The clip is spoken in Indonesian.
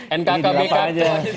ini dilapar aja